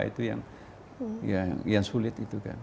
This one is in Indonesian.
itu yang sulit